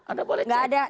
anda boleh cek